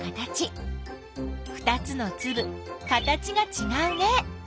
ふたつのつぶ形がちがうね。